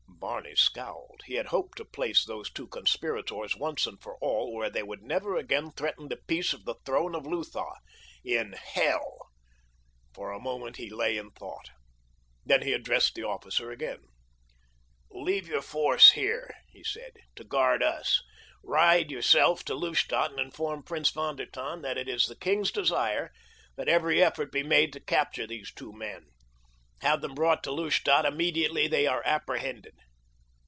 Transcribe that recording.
Barney scowled. He had hoped to place these two conspirators once and for all where they would never again threaten the peace of the throne of Lutha—in hell. For a moment he lay in thought. Then he addressed the officer again. "Leave your force here," he said, "to guard us. Ride, yourself, to Lustadt and inform Prince von der Tann that it is the king's desire that every effort be made to capture these two men. Have them brought to Lustadt immediately they are apprehended.